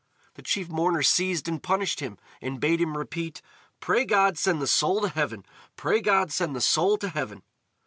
The chief mourner seized and punished him, and bade him repeat: "Pray God send the soul to heaven! Pray God send the soul to heaven!"